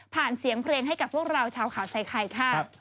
ผ่านเสียงเพลงให้กับพวกเราชาวขาวไซคัยค่ะครับ